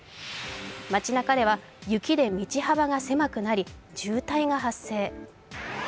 街なかでは、雪で道幅が狭くなり渋滞が発生。